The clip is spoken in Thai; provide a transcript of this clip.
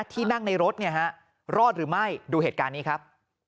ที่นั่งในรถเนี่ยฮะรอดหรือไม่ดูเหตุการณ์นี้ครับ